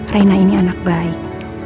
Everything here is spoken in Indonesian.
reina ini anak baik